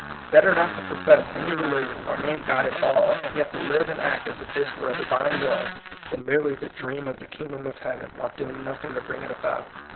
Better not to profess any religion or name God at all, and yet to live and act as if this were a Divine world, than merely to dream of the kingdom of heaven, while doing noth ing to bring it about.